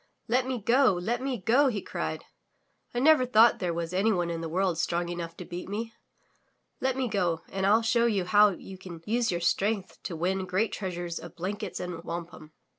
"Let me go! Let me go!" he cried, "I never thought there was anyone in the world strong enough to beat me. Let me go and ril show you how you can use your strength to win great treasures of blankets and wampum.''